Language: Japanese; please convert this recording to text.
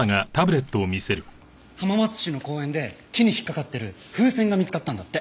浜松市の公園で木に引っかかってる風船が見つかったんだって。